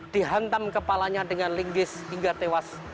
dihantam kepalanya dengan linggis hingga tewas